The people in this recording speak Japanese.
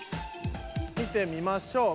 見てみましょう。